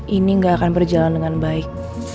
ini gak akan berjalan dengan baik